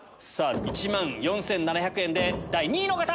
１万４７００円で第２位の方！